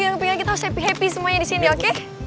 jangan kepikiran lagi kita harus happy happy semuanya di sini oke